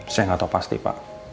saya nggak tahu pasti pak